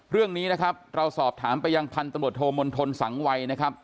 เรื่องนี้นะครับเราสอบถามไปยังพันธุ์ตำรวจโทมนทนสังวัยนะครับ